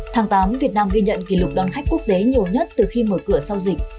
tháng tám việt nam ghi nhận kỷ lục đón khách quốc tế nhiều nhất từ khi mở cửa sau dịch